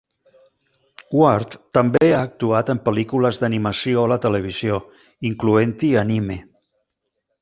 Ward també ha actuat en pel·lícules d'animació a la televisió, incloent-hi anime.